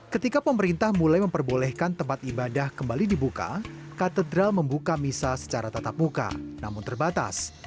ketika pemerintah mulai memperbolehkan tempat ibadah kembali dibuka katedral membuka misa secara tatap muka namun terbatas